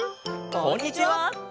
こんにちは！